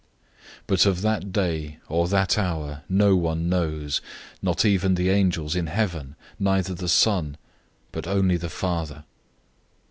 013:032 But of that day or that hour no one knows, not even the angels in heaven, nor the Son, but only the Father.